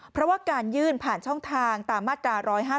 เพราะว่าการยื่นผ่านช่องทางตามมาตรา๑๕๗